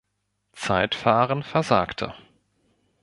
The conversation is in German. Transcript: Zeitfahren versagte.